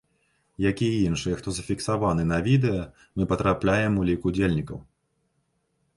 Я і іншыя, хто зафіксаваны на відэа, мы патрапляем у лік удзельнікаў.